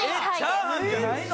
チャーハンじゃないの！？